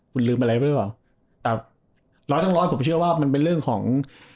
คุณลืมอะไรไว้หรือเปล่าแต่ร้อยทั้งร้อยผมเชื่อว่ามันเป็นเรื่องของ